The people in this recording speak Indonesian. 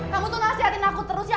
kamu tuh nasihatin aku terus ya